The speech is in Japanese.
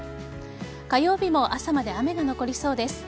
火曜日も朝まで雨が残りそうです。